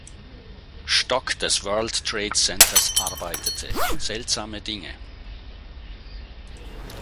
Stock des World Trade Centers arbeitete, seltsame Dinge.